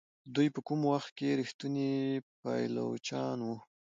دوی په کوم وخت کې ریښتوني پایلوچان وو.